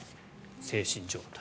精神状態。